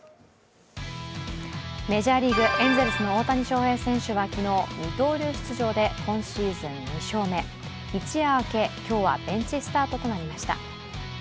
メジャーリーグエンゼルスの大谷翔平選手は昨日二刀流出場で今シーズン２勝目、一夜明け、今日はベンチスタートとなりました。